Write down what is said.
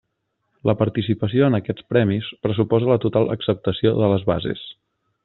La participació en aquests Premis pressuposa la total acceptació de les bases.